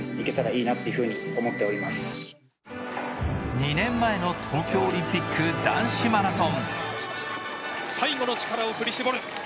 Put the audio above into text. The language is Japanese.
２年前の東京オリンピック男子マラソン。